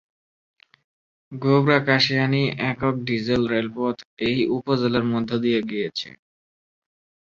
গোবরা-কাশিয়ানী একক ডিজেল রেলপথ এই উপজেলার মধ্য দিয়ে গিয়েছে।